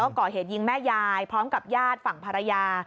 ก่อเหตุยิงแม่ยายพร้อมกับญาติฝั่งภรรยา